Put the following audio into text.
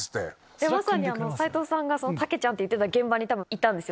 斉藤さんがタケちゃん！って言ってた現場に多分いたんです。